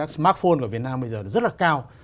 smartphone của việt nam bây giờ rất là cao